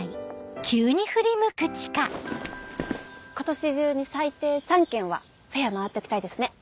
今年中に最低３件はフェア回っときたいですね。